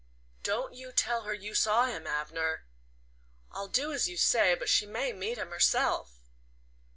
"Don't you tell her you saw him, Abner." "I'll do as you say; but she may meet him herself."